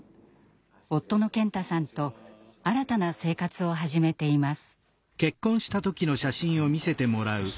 夫の健太さんと新たな生活を始めています。